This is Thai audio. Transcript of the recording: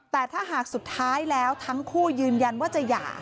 แต่ถ้าหากสุดท้ายแล้วทั้งคู่ยืนยันว่าจะหย่า